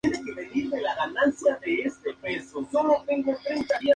La piel de la fruta no es comestible.